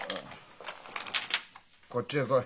こっちへ来い。